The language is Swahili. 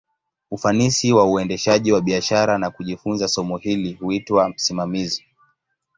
Ufanisi wa uendeshaji wa biashara, na kujifunza somo hili, huitwa usimamizi.